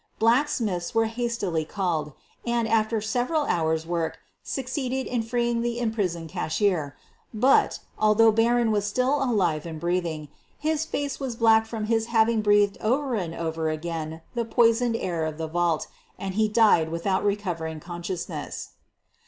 Blacksmiths were hastily called, and, after several hours' work, succeeded in freeing the imprisoned cashier — but, although Barron was still alive and breathing, his face was black from his having breathed over and over again the poisoned air of the vault, and he died without recovering con aciousness.